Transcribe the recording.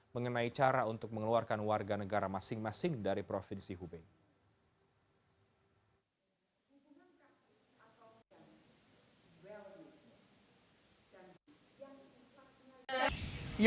mengenai cara untuk mengeluarkan warga negara masing masing dari provinsi hubei